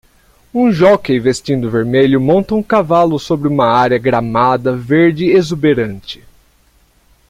Um jóquei vestindo vermelho monta um cavalo sobre uma área gramada verde exuberante.